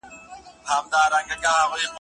تا زوی ورولېږه چې شرع زده کړي، څه خبر وې؟